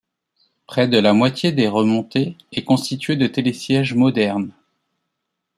Près de la moitié des remontées est constituée de télésièges modernes.